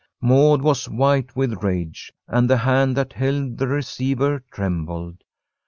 Maud was white with rage, and the hand that held the receiver trembled.